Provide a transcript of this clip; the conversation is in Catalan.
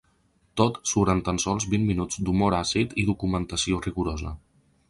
Tot surt en tan sols vint minuts d’humor àcid i documentació rigorosa.